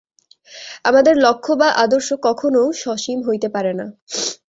আমাদের লক্ষ্য বা আদর্শ কখনও সসীম হইতে পারে না।